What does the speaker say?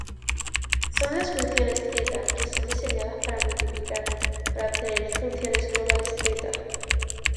Son las funciones Z que son diseñadas para multiplicar, para obtener funciones globales zeta.